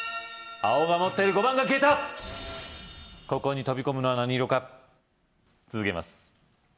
青が持っている５番が消えたここに飛び込むのは何色か続けます